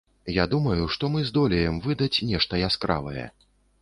Я думаю, што мы здолеем выдаць нешта яскравае.